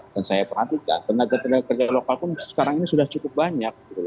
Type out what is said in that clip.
dan saya perhatikan tenaga tenaga kerja lokal pun sekarang ini sudah cukup banyak